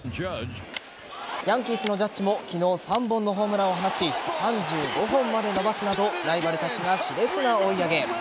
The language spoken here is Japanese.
ヤンキースのジャッジも昨日３本のホームランを放ち３５本まで伸ばすなどライバルたちが熾烈な追い上げ。